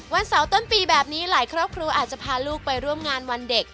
เสาร์ต้นปีแบบนี้หลายครอบครัวอาจจะพาลูกไปร่วมงานวันเด็ก